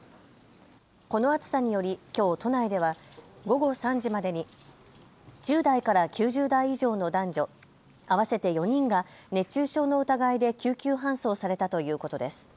この暑さによりきょう都内では午後３時までに１０代から９０代以上の男女合わせて４人が熱中症の疑いで救急搬送されたということです。